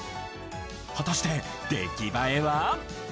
果たして出来栄えは？